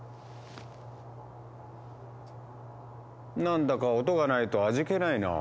何だか音がないと味気ないな。